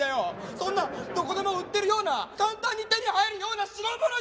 そんなどこでも売ってるような簡単に手に入るような品物じゃないんだ！